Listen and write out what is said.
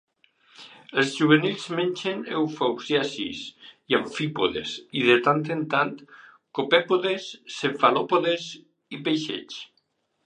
Els juvenils mengen eufausiacis i amfípodes, i, de tant en tant, copèpodes, cefalòpodes i peixets.